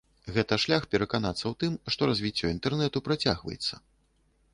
Гэта шлях пераканацца ў тым, што развіццё інтэрнэту працягваецца.